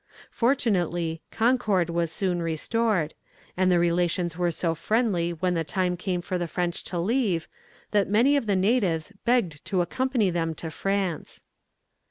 Fortunately, concord was soon restored; and the relations were so friendly when the time came for the French to leave, that many of the natives begged to accompany them to France.